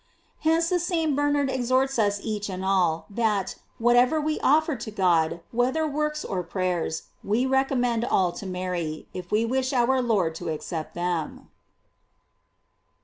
J Hence the same Bernard exhorts us each and all, that, whatever we offer to God, whether works or prayers, we recommend all to Mary, if we wish our Lord to accept them.